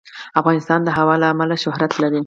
افغانستان د هوا له امله شهرت لري.